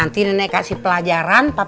tidak dia suka pasanger animals